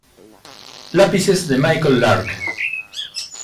Lápices de Michael Lark.